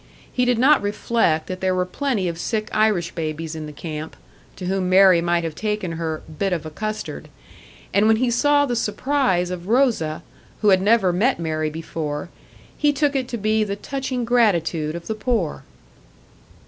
He did not reflect that there were plenty of sick Irish babies in the camp, to whom Mary might have taken her "bit of a custard." And when he saw the surprise of Rosa, who had never met Mary before, he took it to be the touching gratitude of the poor!